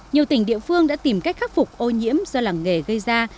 nhiều tỉnh địa phương đã tìm cách khắc phục ô nhiễm do làng nghề gây ra